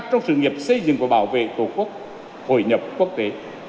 trong sự nghiệp xây dựng và bảo vệ tổ quốc hội nhập quốc tế